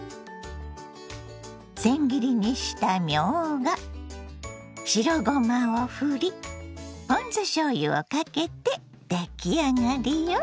せん切りにしたみょうが白ごまをふりポン酢しょうゆをかけて出来上がりよ。